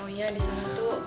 pokoknya disana tuh